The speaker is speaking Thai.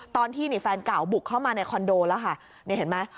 ตอนที่นี่แฟนเก่าบุกเข้ามาในคอนโดแล้วค่ะนี่เห็นไหม